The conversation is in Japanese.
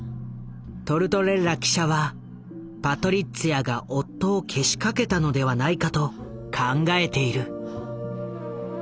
トルトレッラ記者はパトリッツィアが夫をけしかけたのではないかと考えている。